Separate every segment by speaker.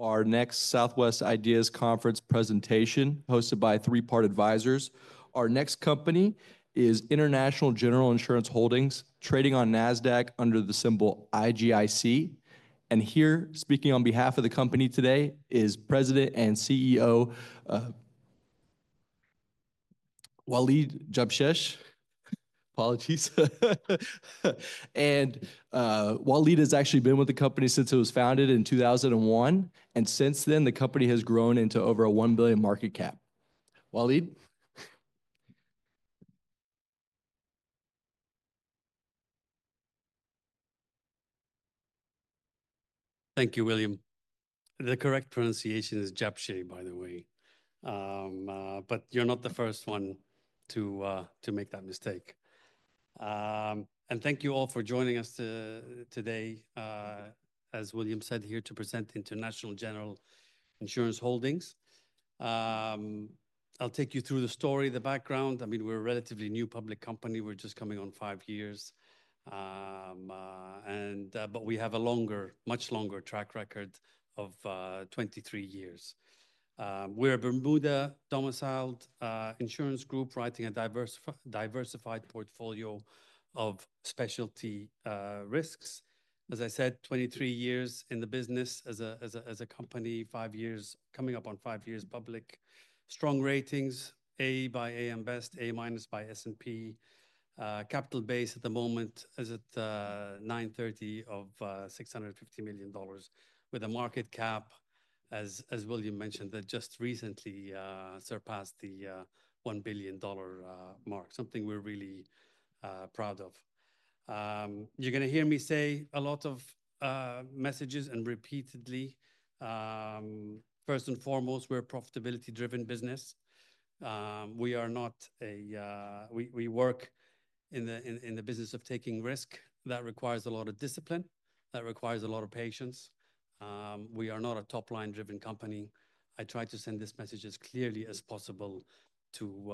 Speaker 1: Our next Southwest IDEAS Conference Presentation, hosted by Three Part Advisors. Our next company is International General Insurance Holdings, trading on NASDAQ under the symbol IGIC, and here, speaking on behalf of the company today, is President and CEO Waleed Jabsheh. Apologies, and Waleed has actually been with the company since it was founded in 2001, and since then, the company has grown into over a $1 billion market cap. Waleed?
Speaker 2: Thank you, William. The correct pronunciation is Jabsheh, by the way, but you're not the first one to make that mistake, and thank you all for joining us today, as William said, here to present International General Insurance Holdings. I'll take you through the story, the background. I mean, we're a relatively new public company. We're just coming on five years, but we have a longer, much longer track record of 23 years. We're a Bermuda-domiciled insurance group writing a diversified portfolio of specialty risks. As I said, 23 years in the business as a company, coming up on five years public. Strong ratings, A by AM Best and A minus by S&P. Capital base at the moment is at $650 million, with a market cap, as William mentioned, that just recently surpassed the $1 billion mark, something we're really proud of. You're going to hear me say a lot of messages repeatedly. First and foremost, we're a profitability-driven business. We are not a. We work in the business of taking risk. That requires a lot of discipline. That requires a lot of patience. We are not a top-line-driven company. I try to send this message as clearly as possible to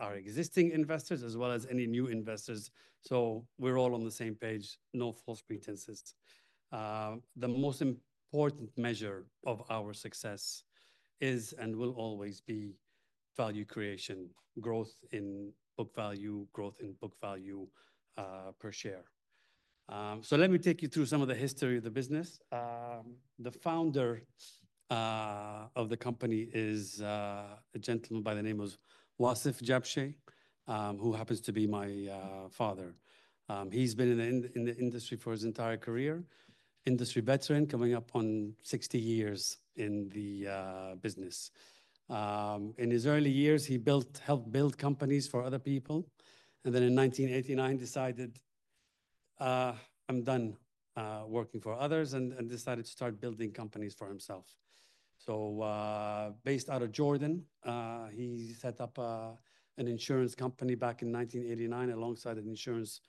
Speaker 2: our existing investors as well as any new investors. So we're all on the same page. No false pretenses. The most important measure of our success is and will always be value creation, growth in book value, growth in book value per share. So let me take you through some of the history of the business. The founder of the company is a gentleman by the name of Wasef Jabsheh, who happens to be my father. He's been in the industry for his entire career, industry veteran, coming up on 60 years in the business. In his early years, he built, helped build companies for other people, and then in 1989 decided, I'm done working for others, and decided to start building companies for himself. Based out of Jordan, he set up an insurance company back in 1989 alongside an insurance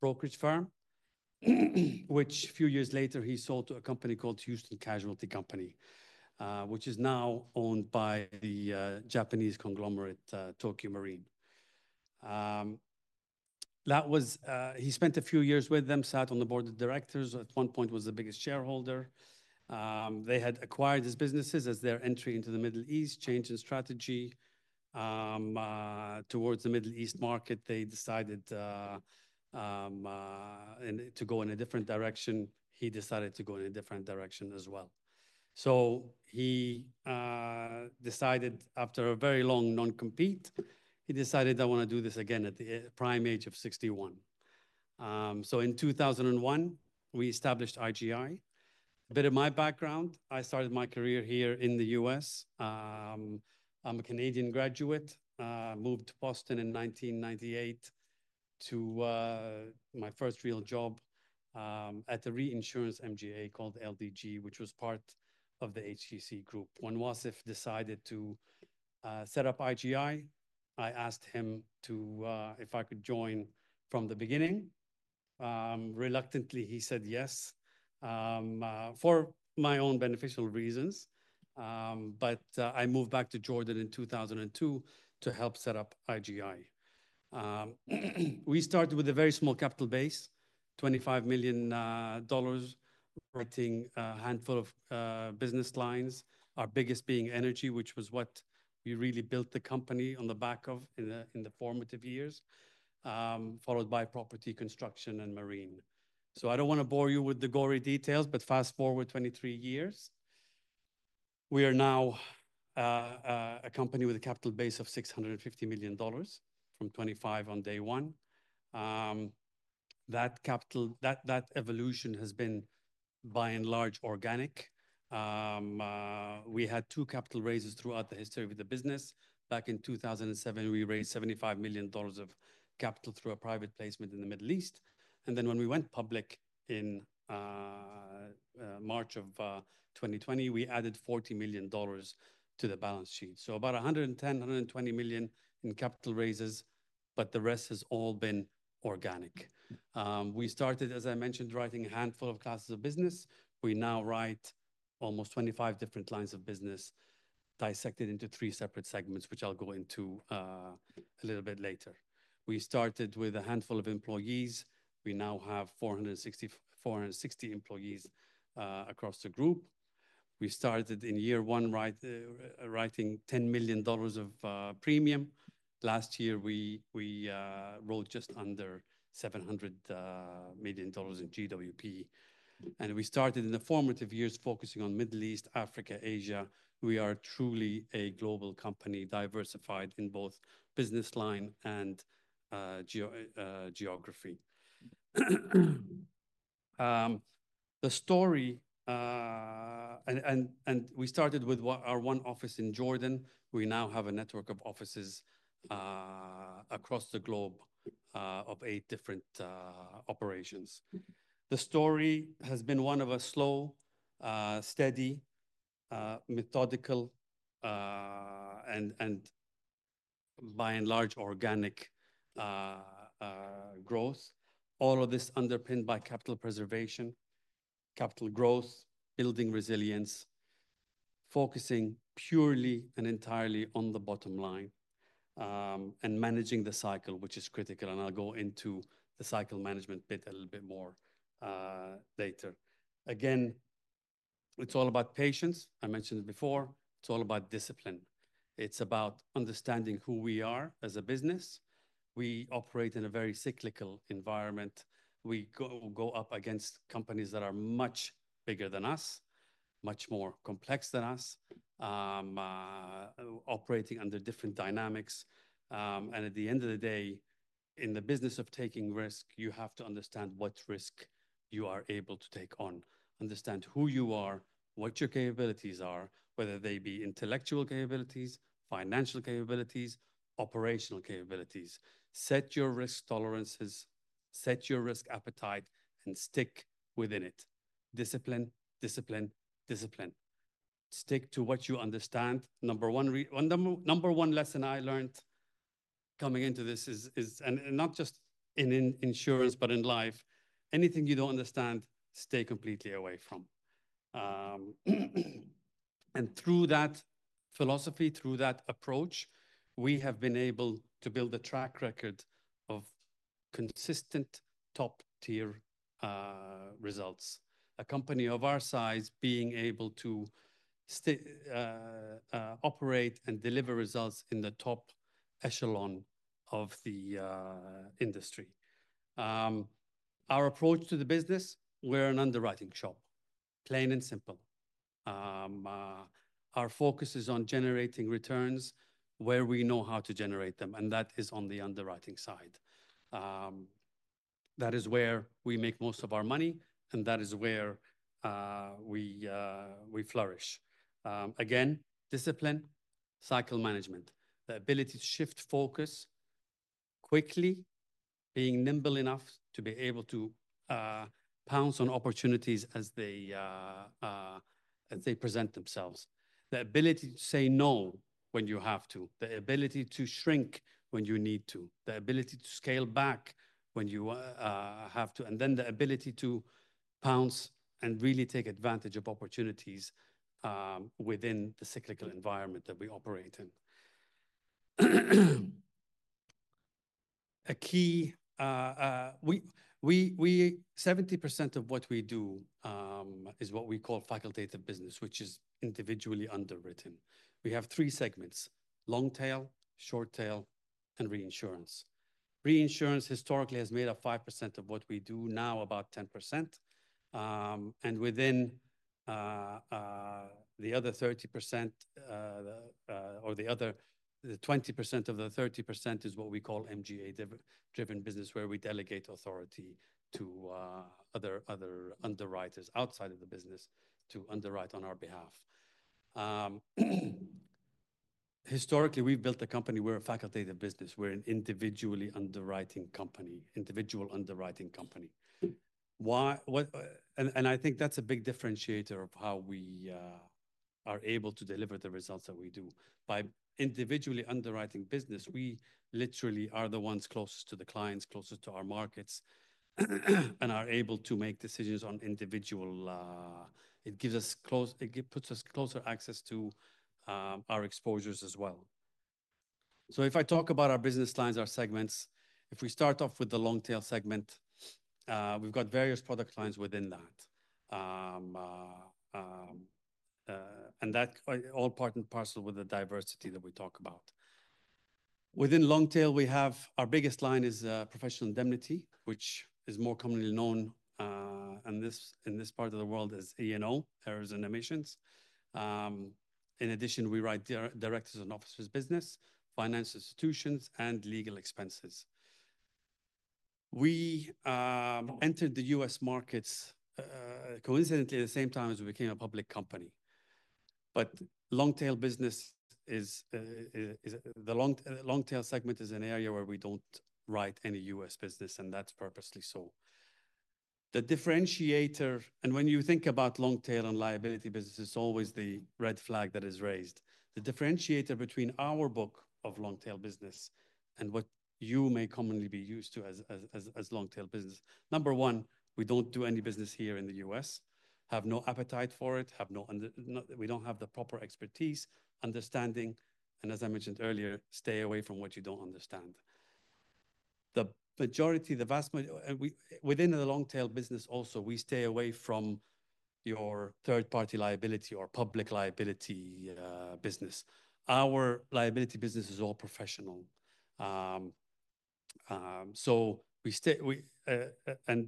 Speaker 2: brokerage firm, which a few years later he sold to a company called Houston Casualty Company, which is now owned by the Japanese conglomerate, Tokio Marine. That was, he spent a few years with them, sat on the board of directors, at one point was the biggest shareholder. They had acquired his businesses as their entry into the Middle East, changing strategy towards the Middle East market. They decided to go in a different direction. He decided to go in a different direction as well. So he decided after a very long non-compete, "I want to do this again at the prime age of 61." In 2001, we established IGI. A bit of my background, I started my career here in the U.S. I'm a Canadian graduate, moved to Boston in 1998 to my first real job at the reinsurance MGA called LDG, which was part of the HCC group. When Wasef decided to set up IGI, I asked him if I could join from the beginning. Reluctantly, he said yes, for my own beneficial reasons. But I moved back to Jordan in 2002 to help set up IGI. We started with a very small capital base, $25 million, writing a handful of business lines, our biggest being energy, which was what we really built the company on the back of in the formative years, followed by property, construction, and marine. So I don't want to bore you with the gory details, but fast forward 23 years. We are now a company with a capital base of $650 million from $25 million on day one. That capital evolution has been by and large organic. We had two capital raises throughout the history of the business. Back in 2007, we raised $75 million of capital through a private placement in the Middle East. And then when we went public in March 2020, we added $40 million to the balance sheet. So about $110-$120 million in capital raises, but the rest has all been organic. We started, as I mentioned, writing a handful of classes of business. We now write almost 25 different lines of business, dissected into three separate segments, which I'll go into a little bit later. We started with a handful of employees. We now have 460 employees across the group. We started in year one, right, writing $10 million of premium. Last year, we rolled just under $700 million in GWP. And we started in the formative years focusing on Middle East, Africa, Asia. We are truly a global company, diversified in both business line and geography. The story and we started with our one office in Jordan. We now have a network of offices across the globe of eight different operations. The story has been one of a slow, steady, methodical, and by and large organic growth, all of this underpinned by capital preservation, capital growth, building resilience, focusing purely and entirely on the bottom line, and managing the cycle, which is critical. And I'll go into the cycle management bit a little bit more, later. Again, it's all about patience. I mentioned it before. It's all about discipline. It's about understanding who we are as a business. We operate in a very cyclical environment. We go up against companies that are much bigger than us, much more complex than us, operating under different dynamics, and at the end of the day, in the business of taking risk, you have to understand what risk you are able to take on, understand who you are, what your capabilities are, whether they be intellectual capabilities, financial capabilities, operational capabilities. Set your risk tolerances, set your risk appetite, and stick within it. Discipline, discipline, discipline. Stick to what you understand. Number one, the number one lesson I learned coming into this is, and not just in insurance, but in life, anything you don't understand, stay completely away from. Through that philosophy, through that approach, we have been able to build a track record of consistent top-tier results. A company of our size being able to stay, operate and deliver results in the top echelon of the industry. Our approach to the business, we're an underwriting shop, plain and simple. Our focus is on generating returns where we know how to generate them, and that is on the underwriting side. That is where we make most of our money, and that is where we flourish. Again, discipline, cycle management, the ability to shift focus quickly, being nimble enough to be able to pounce on opportunities as they present themselves. The ability to say no when you have to, the ability to shrink when you need to, the ability to scale back when you have to, and then the ability to pounce and really take advantage of opportunities within the cyclical environment that we operate in. A key, we 70% of what we do is what we call facultative business, which is individually underwritten. We have three segments: long tail, short tail, and reinsurance. Reinsurance historically has made up 5% of what we do, now about 10%. And within the other 30%, or the 20% of the 30%, is what we call MGA-driven business, where we delegate authority to other underwriters outside of the business to underwrite on our behalf. Historically, we've built a company. We're a facultative business. We're an individually underwriting company, individual underwriting company. Why? What? And I think that's a big differentiator of how we are able to deliver the results that we do. By individually underwriting business, we literally are the ones closest to the clients, closest to our markets, and are able to make decisions on individual. It gives us close, it puts us closer access to our exposures as well. So if I talk about our business lines, our segments, if we start off with the long tail segment, we've got various product lines within that. And that all part and parcel with the diversity that we talk about. Within long tail, we have our biggest line is professional indemnity, which is more commonly known in this part of the world as E&O, errors and omissions. In addition, we write directors and officers business, financial institutions, and legal expenses. We entered the U.S. markets coincidentally at the same time as we became a public company. But long tail business is the long tail segment is an area where we don't write any U.S. business, and that's purposely so. The differentiator, and when you think about long tail and liability business, it's always the red flag that is raised. The differentiator between our book of long tail business and what you may commonly be used to as long tail business. Number one, we don't do any business here in the U.S., have no appetite for it, have no, we don't have the proper expertise, understanding, and as I mentioned earlier, stay away from what you don't understand. The majority, the vast majority, and we within the long tail business also, we stay away from your third-party liability or public liability, business. Our liability business is all professional. So we stay, we, and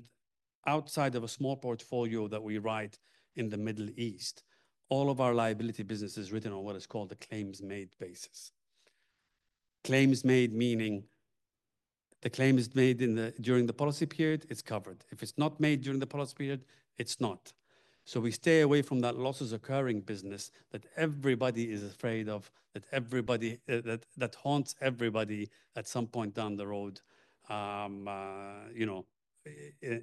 Speaker 2: outside of a small portfolio that we write in the Middle East, all of our liability business is written on what is called a claims-made basis. Claims-made, meaning the claim is made during the policy period, it's covered. If it's not made during the policy period, it's not. So we stay away from that losses-occurring business that everybody is afraid of, that haunts everybody at some point down the road. You know,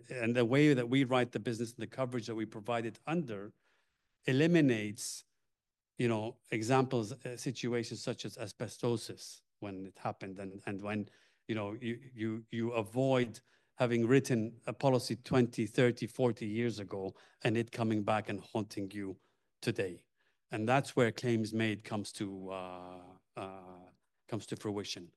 Speaker 2: and the way that we write the business and the coverage that we provide it under eliminates, you know, examples, situations such as asbestosis when it happened and when, you know, you avoid having written a policy 20, 30, 40 years ago and it coming back and haunting you today. And that's where claims-made comes to fruition.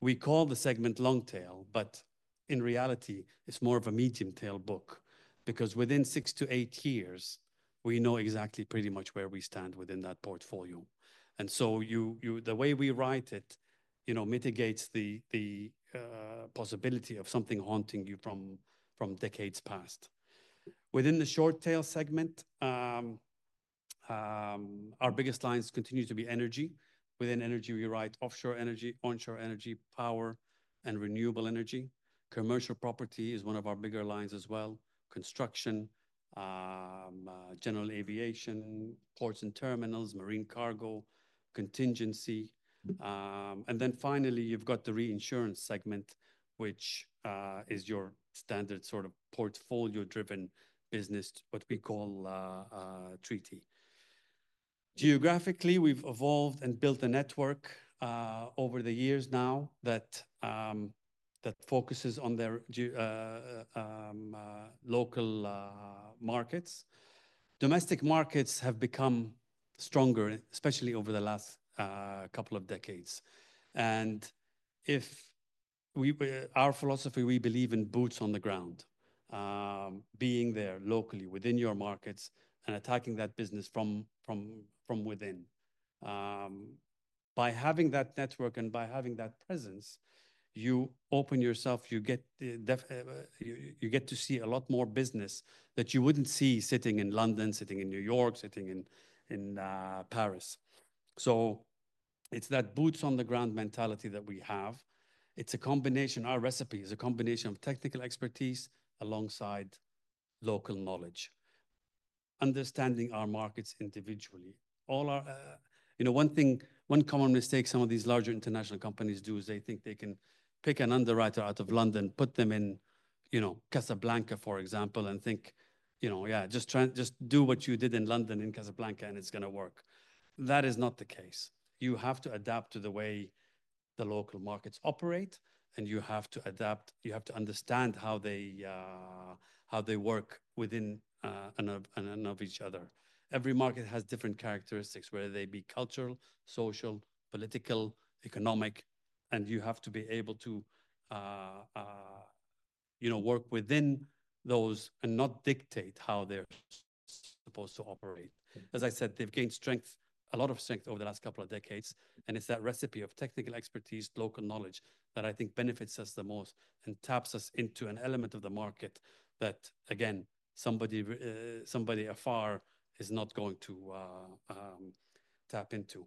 Speaker 2: We call the segment long tail, but in reality, it's more of a medium tail book because within six to eight years, we know exactly pretty much where we stand within that portfolio. And so the way we write it, you know, mitigates the possibility of something haunting you from decades past. Within the short tail segment, our biggest lines continue to be energy. Within energy, we write offshore energy, onshore energy, power, and renewable energy. Commercial property is one of our bigger lines as well. Construction, general aviation, ports and terminals, marine cargo, contingency, and then finally, you've got the reinsurance segment, which is your standard sort of portfolio-driven business, what we call, treaty. Geographically, we've evolved and built a network over the years now that focuses on the local markets. Domestic markets have become stronger, especially over the last couple of decades. Our philosophy, we believe in boots on the ground, being there locally within your markets and attacking that business from within. By having that network and by having that presence, you open yourself, you get to see a lot more business that you wouldn't see sitting in London, sitting in New York, sitting in Paris. So it's that boots on the ground mentality that we have. It's a combination. Our recipe is a combination of technical expertise alongside local knowledge, understanding our markets individually. All our, you know, one thing, one common mistake some of these larger international companies do is they think they can pick an underwriter out of London, put them in, you know, Casablanca, for example, and think, you know, yeah, just try, just do what you did in London in Casablanca and it's going to work. That is not the case. You have to adapt to the way the local markets operate and you have to adapt. You have to understand how they, how they work within, and of each other. Every market has different characteristics, whether they be cultural, social, political, economic, and you have to be able to, you know, work within those and not dictate how they're supposed to operate. As I said, they've gained strength, a lot of strength over the last couple of decades, and it's that recipe of technical expertise, local knowledge that I think benefits us the most and taps us into an element of the market that, again, somebody afar is not going to tap into.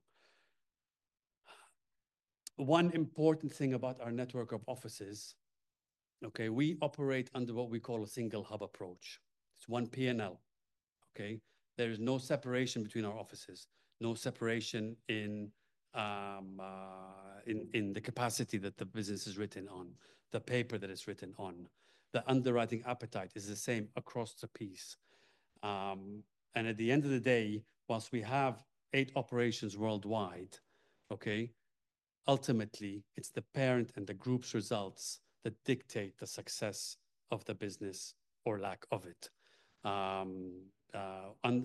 Speaker 2: One important thing about our network of offices, okay, we operate under what we call a single hub approach. It's one P&L, okay? There is no separation between our offices, no separation in the capacity that the business is written on, the paper that is written on. The underwriting appetite is the same across the piece. And at the end of the day, whilst we have eight operations worldwide, okay, ultimately it's the parent and the group's results that dictate the success of the business or lack of it.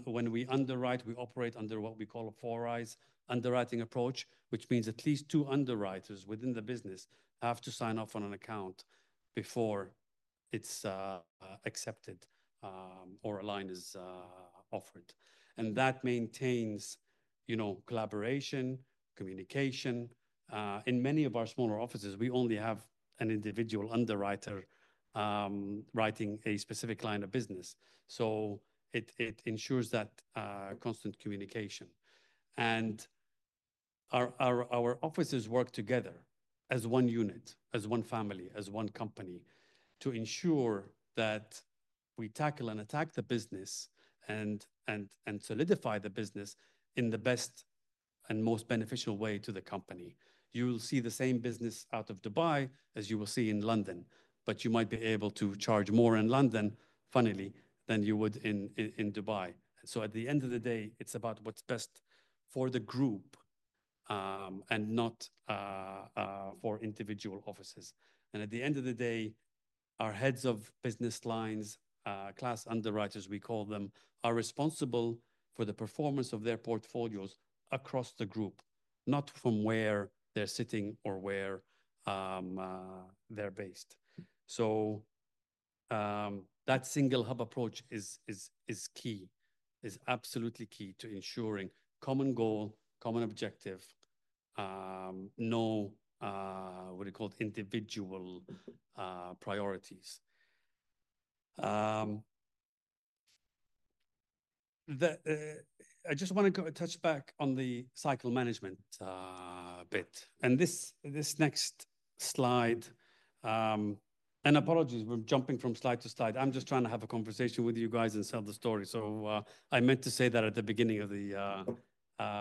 Speaker 2: When we underwrite, we operate under what we call a Four Eyes Underwriting Approach, which means at least two underwriters within the business have to sign off on an account before it's accepted, or a line is offered. And that maintains, you know, collaboration, communication. In many of our smaller offices, we only have an individual underwriter, writing a specific line of business. So it ensures that constant communication. And our offices work together as one unit, as one family, as one company to ensure that we tackle and attack the business and solidify the business in the best and most beneficial way to the company. You'll see the same business out of Dubai as you will see in London, but you might be able to charge more in London, funnily, than you would in Dubai. So at the end of the day, it's about what's best for the group, and not for individual offices. At the end of the day, our heads of business lines, class underwriters, we call them, are responsible for the performance of their portfolios across the group, not from where they're sitting or where they're based. That single hub approach is absolutely key to ensuring common goal, common objective, what do you call it, individual priorities. I just want to touch back on the cycle management bit. This next slide, and apologies, we're jumping from slide to slide. I'm just trying to have a conversation with you guys and sell the story. I meant to say that at the beginning of the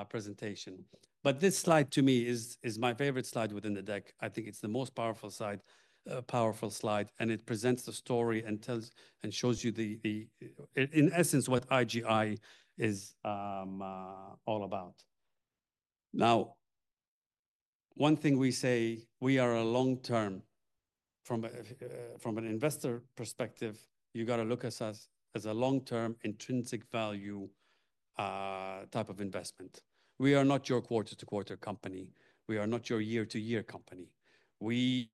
Speaker 2: presentation, but this slide to me is my favorite slide within the deck. I think it's the most powerful slide, and it presents the story and tells and shows you the in essence what IGI is all about. Now, one thing we say, we are a long term from an investor perspective, you got to look at us as a long term intrinsic value type of investment. We are not your quarter to quarter company. We are not your year to year company. We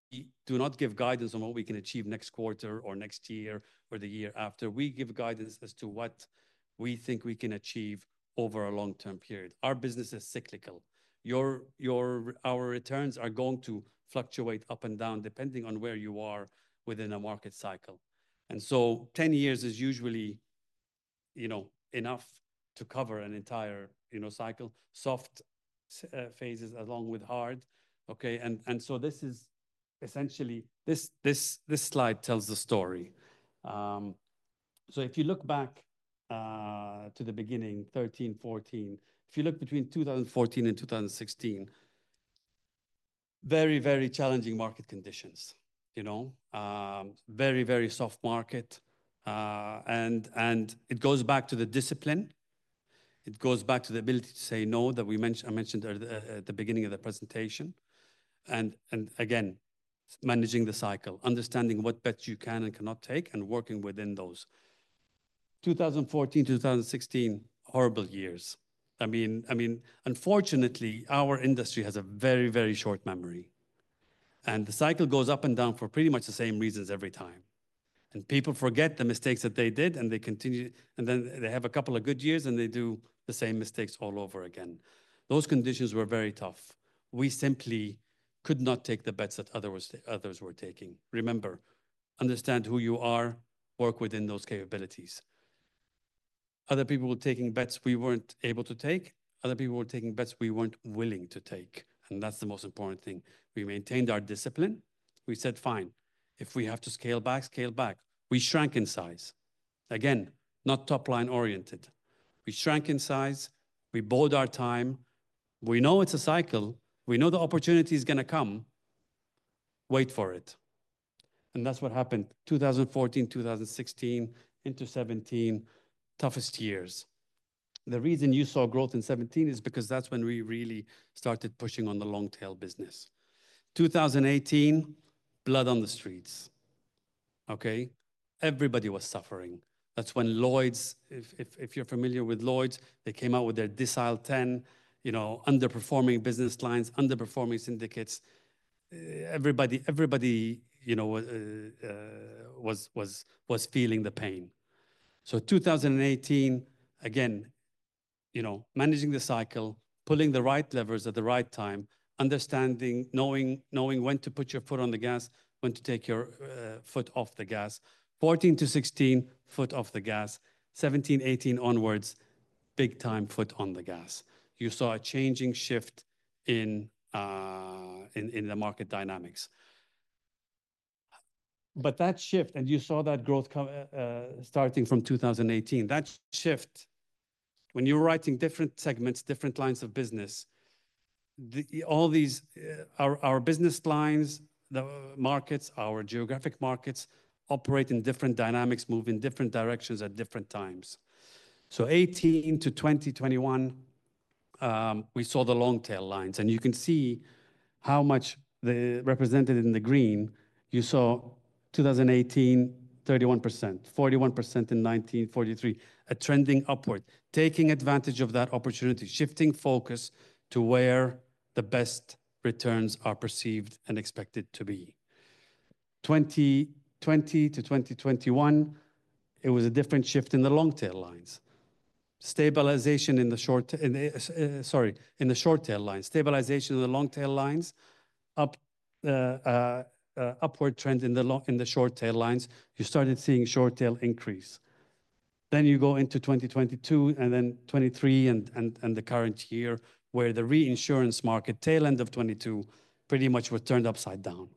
Speaker 2: do not give guidance on what we can achieve next quarter or next year or the year after. We give guidance as to what we think we can achieve over a long term period. Our business is cyclical. Our returns are going to fluctuate up and down depending on where you are within a market cycle. And so 10 years is usually, you know, enough to cover an entire, you know, cycle, soft phases along with hard. Okay. And so this is essentially. This slide tells the story. So if you look back to the beginning, 2013, 2014, if you look between 2014 and 2016, very, very challenging market conditions, you know, very, very soft market. And it goes back to the discipline. It goes back to the ability to say no that we mentioned, I mentioned at the beginning of the presentation. And again, managing the cycle, understanding what bets you can and cannot take and working within those. 2014 to 2016, horrible years. I mean, unfortunately, our industry has a very, very short memory. And the cycle goes up and down for pretty much the same reasons every time. People forget the mistakes that they did and they continue, and then they have a couple of good years and they do the same mistakes all over again. Those conditions were very tough. We simply could not take the bets that others, others were taking. Remember, understand who you are, work within those capabilities. Other people were taking bets we weren't able to take. Other people were taking bets we weren't willing to take. And that's the most important thing. We maintained our discipline. We said, fine, if we have to scale back, scale back. We shrank in size. Again, not top line oriented. We shrank in size. We bought our time. We know it's a cycle. We know the opportunity is going to come. Wait for it. And that's what happened. 2014, 2016 into 2017, toughest years. The reason you saw growth in 2017 is because that's when we really started pushing on the long tail business. 2018, blood on the streets. Okay. Everybody was suffering. That's when Lloyd's, if you're familiar with Lloyd's, they came out with their Decile 10, you know, underperforming business lines, underperforming syndicates. Everybody, you know, was feeling the pain. So 2018, again, you know, managing the cycle, pulling the right levers at the right time, understanding, knowing when to put your foot on the gas, when to take your foot off the gas. 2014 to 2016, foot off the gas. 2017, 2018 onwards, big time foot on the gas. You saw a changing shift in the market dynamics. But that shift, and you saw that growth come, starting from 2018, that shift, when you're writing different segments, different lines of business, all these, our business lines, the markets, our geographic markets operate in different dynamics, move in different directions at different times. So 2018 to 2021, we saw the long tail lines and you can see how much they represented in the green. You saw 2018, 31%, 41% in 2019, a trending upward, taking advantage of that opportunity, shifting focus to where the best returns are perceived and expected to be. 2020 to 2021, it was a different shift in the long tail lines. Stabilization in the short tail lines, stabilization in the long tail lines, upward trend in the short tail lines. You started seeing short tail increase. Then you go into 2022 and then 2023 and the current year where the reinsurance market tail end of 2022 pretty much returned upside down.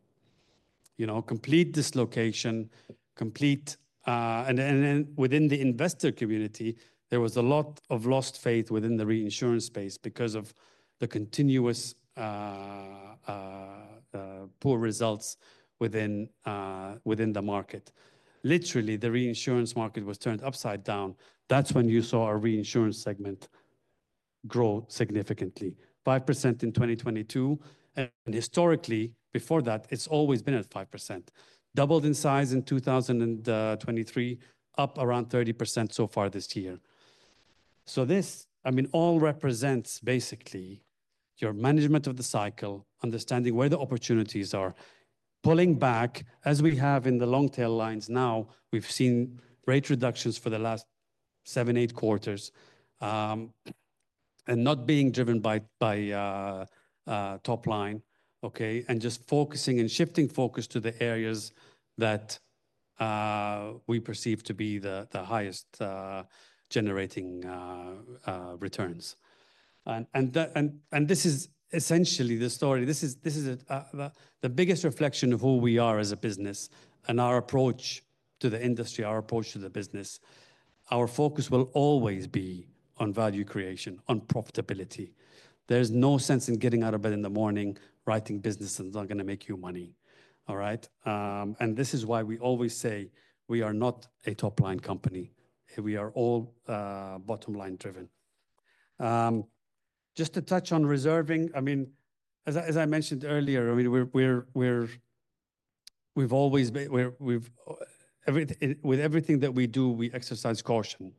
Speaker 2: You know, complete dislocation, and then within the investor community, there was a lot of lost faith within the reinsurance space because of the continuous poor results within the market. Literally, the reinsurance market was turned upside down. That's when you saw a reinsurance segment grow significantly 5% in 2022. Historically, before that, it's always been at 5%, doubled in size in 2023, up around 30% so far this year. This, I mean, all represents basically your management of the cycle, understanding where the opportunities are, pulling back as we have in the long tail lines. Now we've seen rate reductions for the last seven, eight quarters, and not being driven by top line, okay, and just focusing and shifting focus to the areas that we perceive to be the highest generating returns. And that this is essentially the story. This is the biggest reflection of who we are as a business and our approach to the industry, our approach to the business. Our focus will always be on value creation, on profitability. There's no sense in getting out of bed in the morning, writing businesses that are going to make you money. All right. And this is why we always say we are not a top line company. We are all bottom line driven. Just to touch on reserving, I mean, as I mentioned earlier, I mean, we've always been with everything that we do, we exercise caution.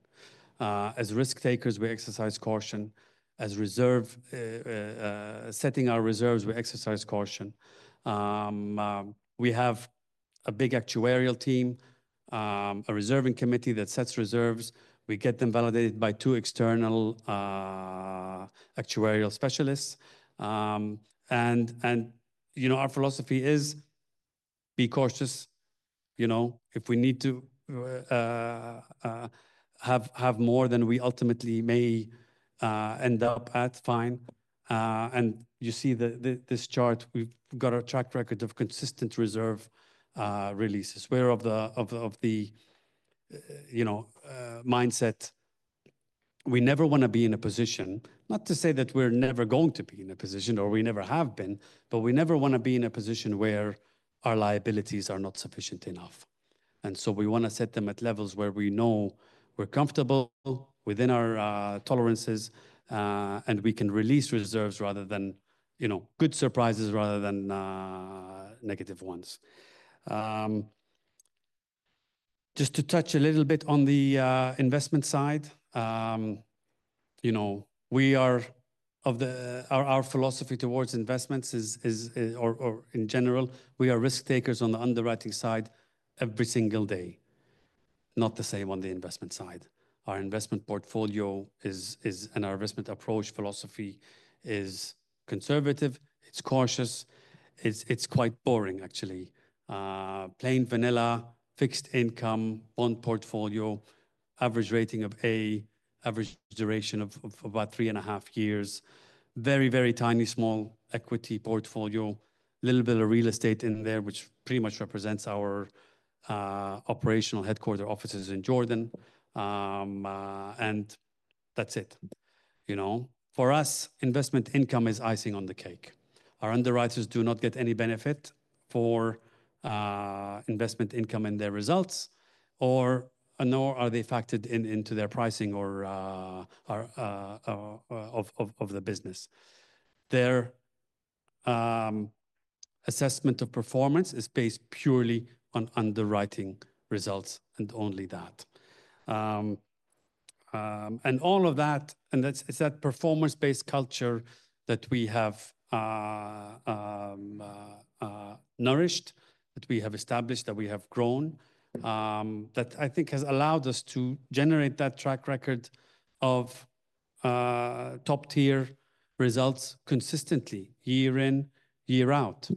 Speaker 2: As risk takers, we exercise caution in reserving, setting our reserves, we exercise caution. We have a big actuarial team, a reserving committee that sets reserves. We get them validated by two external actuarial specialists. And you know, our philosophy is to be cautious. You know, if we need to have more than we ultimately may end up at, fine. And you see this chart, we've got a track record of consistent reserve releases that reflect the you know, mindset. We never want to be in a position, not to say that we're never going to be in a position or we never have been, but we never want to be in a position where our liabilities are not sufficient enough. And so we want to set them at levels where we know we're comfortable within our tolerances, and we can release reserves rather than, you know, good surprises rather than negative ones. Just to touch a little bit on the investment side, you know, our philosophy towards investments is, or in general, we are risk takers on the underwriting side every single day. Not the same on the investment side. Our investment portfolio is, and our investment approach philosophy is conservative. It's cautious. It's quite boring, actually. Plain vanilla fixed income bond portfolio, average rating of A, average duration of about three and a half years, very, very tiny small equity portfolio, little bit of real estate in there, which pretty much represents our operational headquarters offices in Jordan. That's it. You know, for us, investment income is icing on the cake. Our underwriters do not get any benefit for investment income and their results, nor are they factored into their pricing or of the business. Their assessment of performance is based purely on underwriting results and only that. All of that, that's it. It's that performance-based culture that we have nourished, that we have established, that we have grown, that I think has allowed us to generate that track record of top-tier results consistently year in, year out.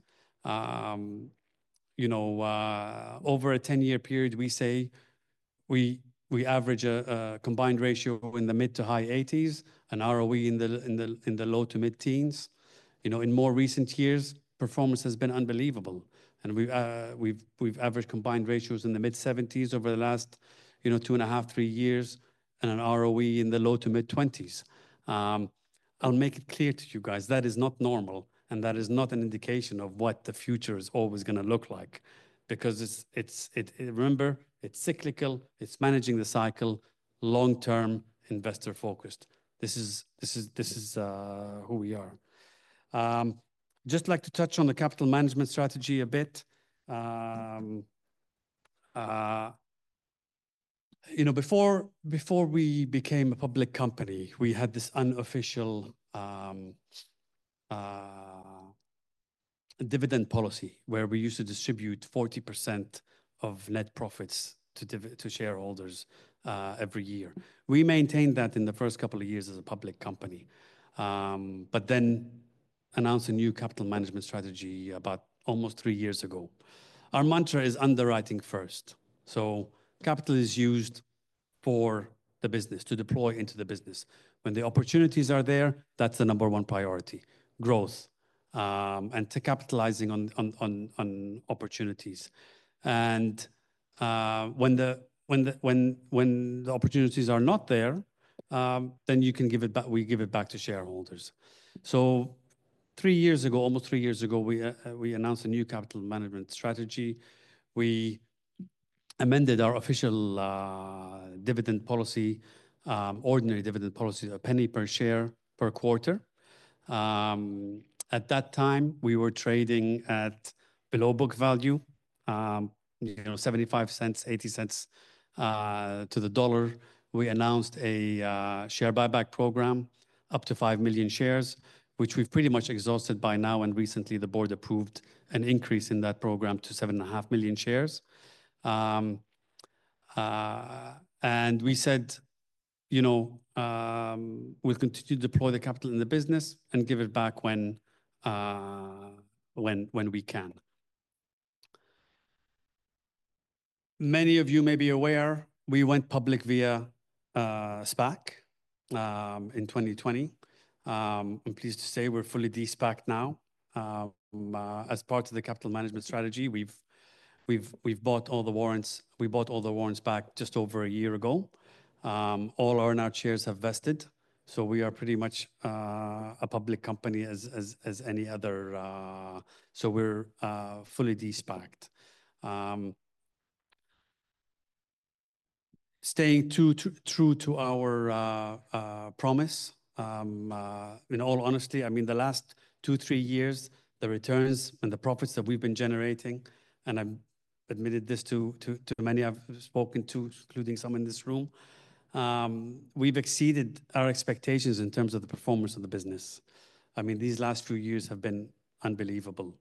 Speaker 2: You know, over a 10-year period, we say we average a combined ratio in the mid to high 80s, an ROE in the low to mid-teens. You know, in more recent years, performance has been unbelievable. And we've averaged combined ratios in the mid-70s over the last, you know, two and a half, three years, and an ROE in the low to mid-20s. I'll make it clear to you guys, that is not normal, and that is not an indication of what the future is always going to look like, because it's cyclical, it's managing the cycle, long term, investor focused. This is who we are. Just like to touch on the capital management strategy a bit. You know, before we became a public company, we had this unofficial dividend policy where we used to distribute 40% of net profits to dividend to shareholders every year. We maintained that in the first couple of years as a public company, but then announced a new capital management strategy about almost three years ago. Our mantra is underwriting first. So capital is used for the business to deploy into the business. When the opportunities are there, that's the number one priority, growth, and to capitalizing on opportunities. And when the opportunities are not there, then you can give it back; we give it back to shareholders. So three years ago, almost three years ago, we announced a new capital management strategy. We amended our official dividend policy, ordinary dividend policy, $0.01 per share per quarter. At that time, we were trading at below book value, you know, $0.75, $0.80 to the dollar. We announced a share buyback program up to 5 million shares, which we've pretty much exhausted by now. Recently, the board approved an increase in that program to 7.5 million shares, and we said, you know, we'll continue to deploy the capital in the business and give it back when we can. Many of you may be aware, we went public via SPAC in 2020. I'm pleased to say we're fully de-SPAC now. As part of the capital management strategy, we've bought all the warrants. We bought all the warrants back just over a year ago. All our now shares have vested. So we are pretty much a public company as any other, so we're fully de-SPAC. Staying true to our promise, in all honesty, I mean, the last two, three years, the returns and the profits that we've been generating, and I've admitted this to many I've spoken to, including some in this room, we've exceeded our expectations in terms of the performance of the business. I mean, these last few years have been unbelievable.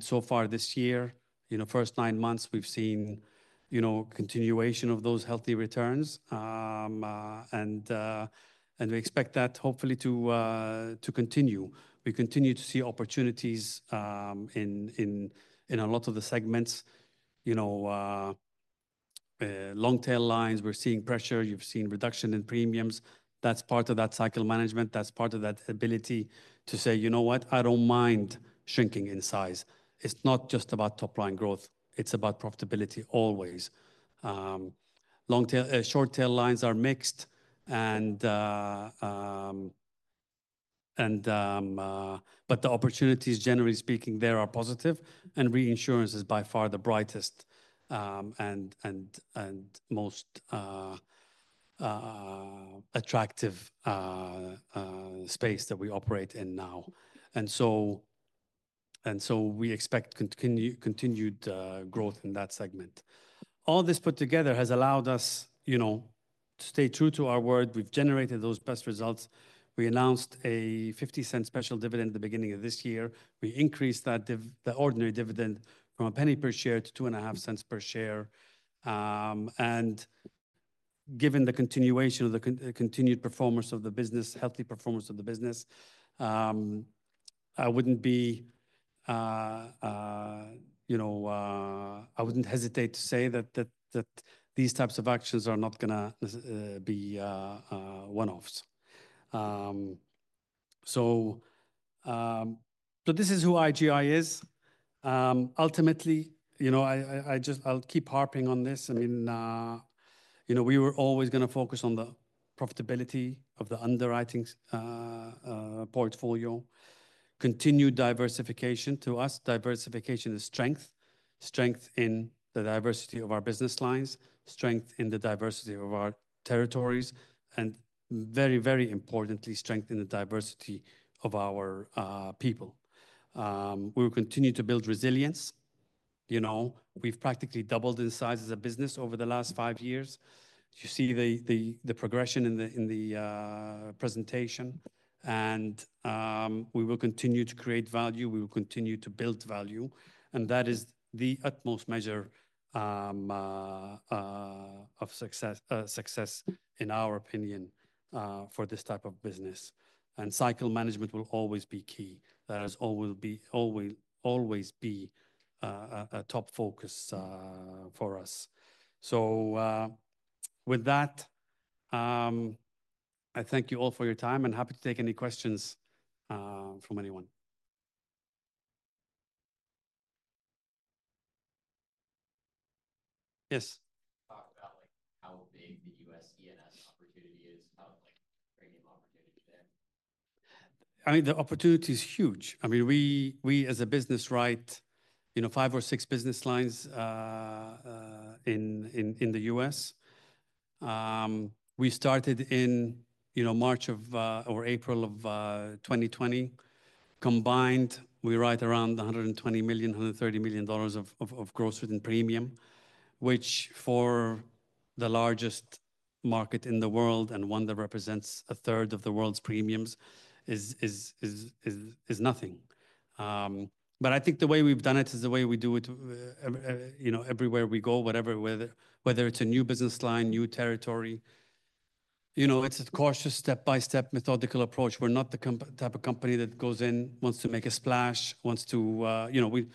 Speaker 2: So far this year, you know, first nine months, we've seen, you know, continuation of those healthy returns. And we expect that hopefully to continue. We continue to see opportunities in a lot of the segments, you know, long tail lines, we're seeing pressure, you've seen reduction in premiums. That's part of that cycle management. That's part of that ability to say, you know what, I don't mind shrinking in size. It's not just about top line growth. It's about profitability always. Long tail, short tail lines are mixed and, but the opportunities, generally speaking, there are positive and reinsurance is by far the brightest and most attractive space that we operate in now. And so we expect continued growth in that segment. All this put together has allowed us, you know, to stay true to our word. We've generated those best results. We announced a $0.50 special dividend at the beginning of this year. We increased that dividend, the ordinary dividend from $0.01 per share to $0.025 per share. And given the continuation of the continued performance of the business, healthy performance of the business, I wouldn't be, you know, I wouldn't hesitate to say that these types of actions are not going to be one-offs. So this is who IGI is. Ultimately, you know, I just, I'll keep harping on this. I mean, you know, we were always going to focus on the profitability of the underwriting portfolio, continued diversification. To us, diversification is strength, strength in the diversity of our business lines, strength in the diversity of our territories, and very, very importantly, strength in the diversity of our people. We will continue to build resilience. You know, we've practically doubled in size as a business over the last five years. You see the progression in the presentation. And we will continue to create value. We will continue to build value. And that is the utmost measure of success, success in our opinion, for this type of business. And cycle management will always be key. That has always been a top focus for us. So, with that, I thank you all for your time and happy to take any questions from anyone. Yes. Talk about like how big the U.S. E&S opportunity is, how like great opportunity there? I mean, the opportunity is huge. I mean, we as a business write, you know, five or six business lines in the U.S. We started in, you know, March or April of 2020. Combined, we write around $120 million-$130 million of gross written premium, which for the largest market in the world and one that represents a third of the world's premiums is nothing, but I think the way we've done it is the way we do it, you know, everywhere we go, whatever, whether it's a new business line, new territory, you know, it's a cautious step-by-step methodical approach. We're not the type of company that goes in, wants to make a splash, you know,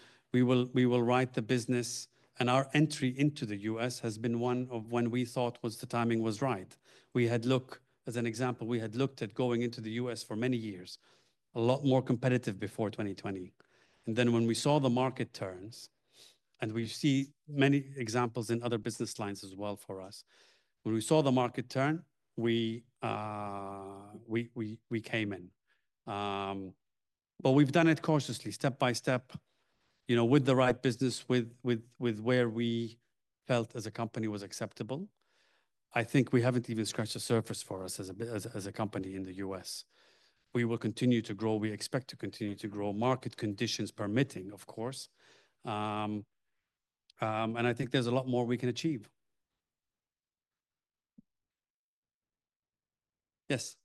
Speaker 2: we will write the business and our entry into the US has been one where we thought the timing was right. We had looked, as an example, at going into the US for many years, a lot more competitive before 2020. Then when we saw the market turn and we see many examples in other business lines as well for us, when we saw the market turn, we came in. We've done it cautiously, step by step, you know, with the right business, with where we felt as a company was acceptable. I think we haven't even scratched the surface for us as a company in the US. We will continue to grow. We expect to continue to grow. Market conditions permitting, of course, and I think there's a lot more we can achieve. Yes.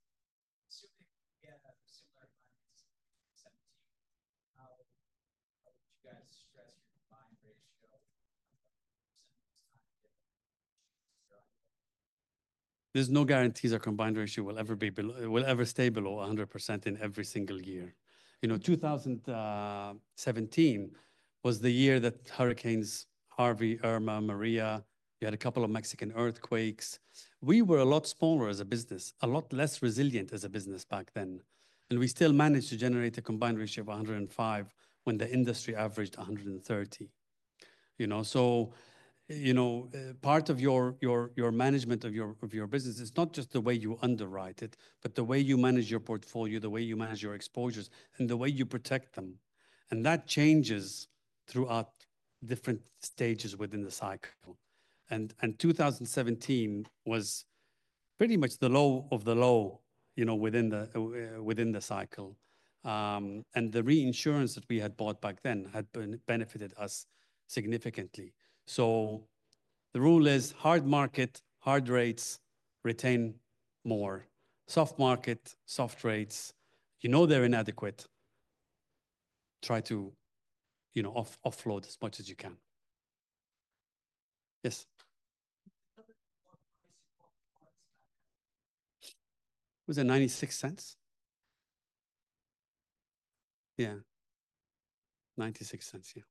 Speaker 2: Assuming we have a similar climate in 2017, how would you guys stress your combined ratio? There's no guarantees our combined ratio will ever be below, will ever stay below 100% in every single year. You know, 2017 was the year that Hurricanes Harvey, Irma, Maria, you had a couple of Mexican earthquakes. We were a lot smaller as a business, a lot less resilient as a business back then. And we still managed to generate a combined ratio of 105% when the industry averaged 130%. You know, so, you know, part of your management of your business is not just the way you underwrite it, but the way you manage your portfolio, the way you manage your exposures, and the way you protect them. And that changes throughout different stages within the cycle. And 2017 was pretty much the low of the low, you know, within the cycle. And the reinsurance that we had bought back then had benefited us significantly. So the rule is hard market, hard rates, retain more. Soft market, soft rates, you know, they're inadequate. Try to, you know, offload as much as you can. Yes. Was it $0.96? Yeah. $0.96. Yeah.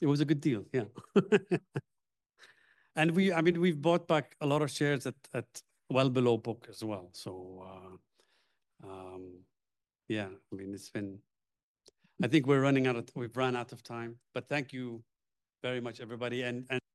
Speaker 2: It was a good deal. Yeah. And we, I mean, we've bought back a lot of shares at well below book as well. Yeah, I mean, it's been. I think we're running out of time. We've run out of time, but thank you very much, everybody. And.